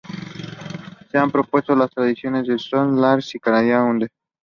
Se han propuesto las traducciones de "Smoking Lark" o "Calandria Humeante".